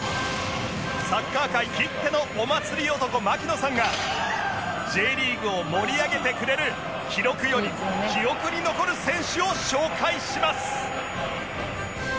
サッカー界きってのお祭り男槙野さんが Ｊ リーグを盛り上げてくれる記録より記憶に残る選手を紹介します